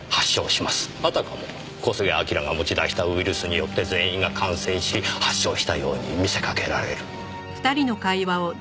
あたかも小菅彬が持ち出したウイルスによって全員が感染し発症したように見せかけられる。